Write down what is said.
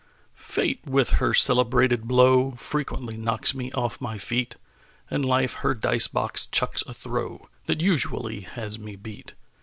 Fate with her celebrated blow Frequently knocks me off my feet; And Life her dice box chucks a throw That usually has me beat.